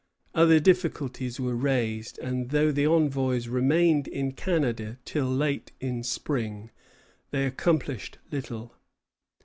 Other difficulties were raised, and though the envoys remained in Canada till late in spring, they accomplished little.